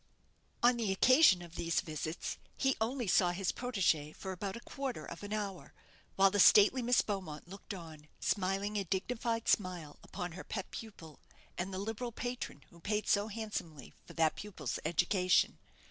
On the occasion of these visits, he only saw his protégée for about a quarter of an hour, while the stately Miss Beaumont looked on, smiling a dignified smile upon her pupil and the liberal patron who paid so handsomely for that pupil's education.